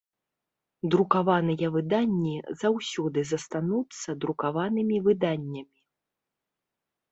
Друкаваныя выданні заўсёды застануцца друкаванымі выданнямі.